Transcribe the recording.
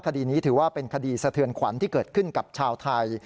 คดีนี้ถือว่าเป็นคดีสะเทือนขวัญที่เกิดขึ้นกับชาวไทย